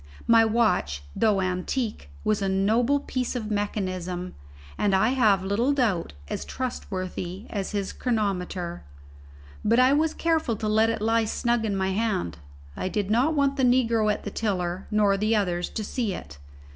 My watch, though antique, was a noble piece of mechanism, and I have little doubt, as trustworthy as his chronometer. But I was careful to let it lie snug in my hand. I did not want the negro at the tiller nor the others to see it.